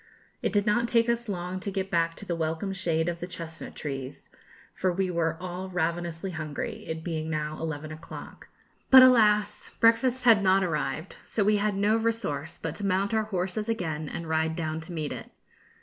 It did not take us long to get back to the welcome shade of the chestnut trees, for we were all ravenously hungry, it being now eleven o'clock. But, alas! breakfast had not arrived: so we had no resource but to mount our horses again and ride down to meet it.